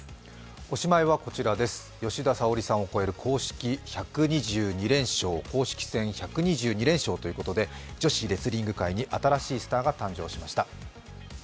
おしまいはこちらです、吉田沙保里さんを超える公式戦１２２連勝ということで女子レスリング界に新しいスターが誕生しました。